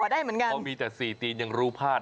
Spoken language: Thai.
เพราะมันมีแต่สี่ตีนยังรู้พลาด